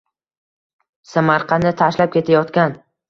Samarqandni tashlab ketayotgan